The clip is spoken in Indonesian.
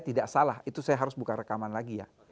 tidak salah itu saya harus buka rekaman lagi ya